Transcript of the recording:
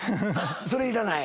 それいらない。